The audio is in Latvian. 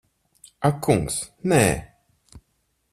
Ak kungs, nē.